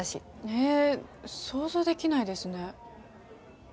へえ想像できないですね。